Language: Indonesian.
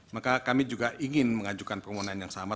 maka kami juga ingin mengajukan permohonan yang sama